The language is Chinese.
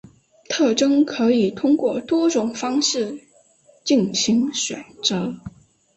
特征可以通过多种方法进行选择。